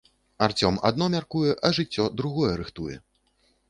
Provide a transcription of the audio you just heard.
Арцём адно мяркуе, а жыццё другое рыхтуе.